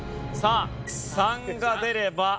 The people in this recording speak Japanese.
さあ３が出れば。